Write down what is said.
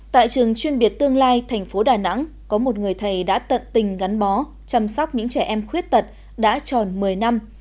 tại trường chuyên biệt tương lai thành phố đà nẵng có một người thầy đã tận tình gắn bó chăm sóc những trẻ em khuyết tật đã tròn một mươi năm